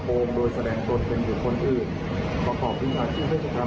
ปรากฏการณ์กายความผิดเกี่ยวกับประกันพิกันพิมพ์ศูนย์โภคนะครับ